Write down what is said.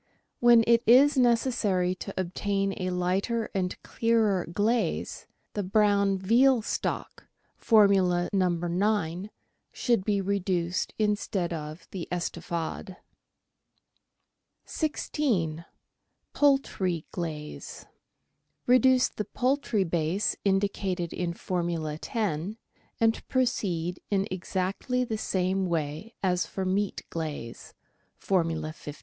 When it is necessary to obtain a lighter and clearer glaze, the brown veal stock (Formula No. 9) should be reduced instead of the " Estouffade." 16— POULTRY QLAZE Reduce the poultry base indicated in Formula 10, and proceed in exactly the same way as for meat glaze (Formula 15).